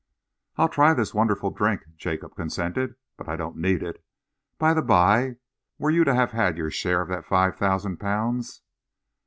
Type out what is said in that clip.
"I'll try this wonderful drink," Jacob consented, "but I don't need it. By the bye, were you to have had your share of that five thousand pounds?"